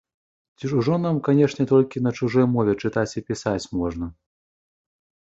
Ці ж ужо нам канечне толькі на чужой мове чытаць і пісаць можна?